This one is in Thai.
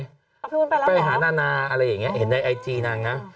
เขาพูดไปแล้วเหรออคุณไปหานานาอะไรอย่างนี้เห็นในไอจีนางนะ